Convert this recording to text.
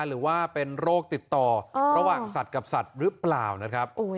หรือว่าเป็นโรคติดต่อระหว่างสัตว์กับสัตว์หรือเปล่านะครับ